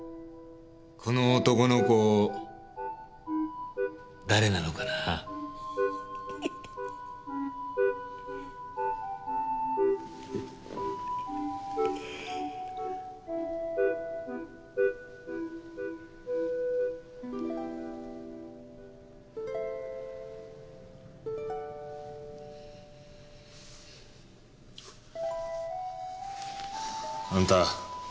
この男の子誰なのかな？あんた。